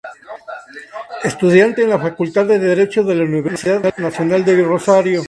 Estudiante en la Facultad de Derecho de la Universidad Nacional de Rosario.